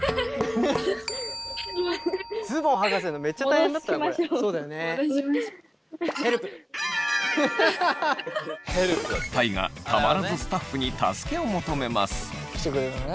大我たまらずスタッフに助けを求めます。